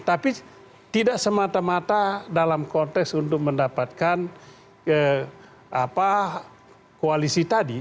tapi tidak semata mata dalam konteks untuk mendapatkan koalisi tadi